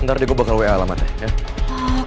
ntar diego bakal wa alamatnya ya